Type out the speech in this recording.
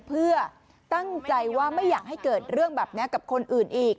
เพื่อตั้งใจว่าไม่อยากให้เกิดเรื่องแบบนี้กับคนอื่นอีก